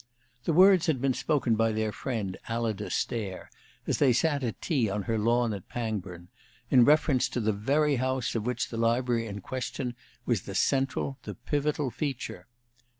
The words had been spoken by their friend Alida Stair, as they sat at tea on her lawn at Pangbourne, in reference to the very house of which the library in question was the central, the pivotal "feature."